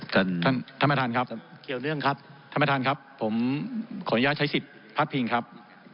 ท่านประธานครับท่านประธานครับผมขออนุญาตใช้สิทธิ์พัดพิงครับ